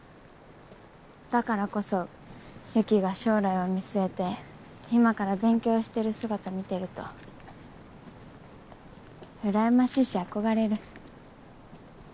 だからこそ雪が将来を見据えて今から勉強してる姿見てると羨ましいし憧れる。